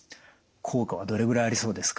効果はどれぐらいありそうですか？